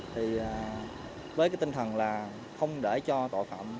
thì với cái tinh thần là không để cho tội phạm